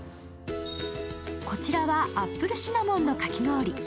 こちらはアップルしナモンのかき氷。